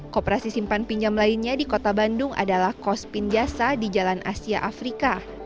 koperasi simpan pinjam lainnya di kota bandung adalah kos pinjasa di jalan asia afrika